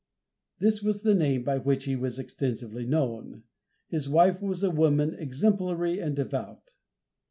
This was the name by which he was extensively known. His wife was a woman exemplary and devout.